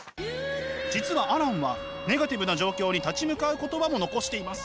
実はアランはネガティブな状況に立ち向かう言葉も残しています。